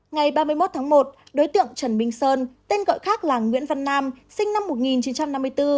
ngày ba mươi một tháng một đối tượng trần minh sơn tên gọi khác là nguyễn văn nam sinh năm một nghìn chín trăm năm mươi bốn